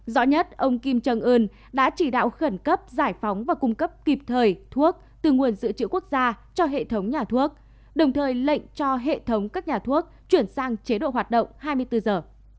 rõ nhất ông kim trân ưn đã chỉ đạo khẩn cấp giải phóng và cung cấp kịp thời thuốc từ nguồn dự trữ quốc gia cho hệ thống nhà thuốc đồng thời lệnh cho hệ thống các nhà thuốc chuyển sang chế độ hoạt động hai mươi bốn giờ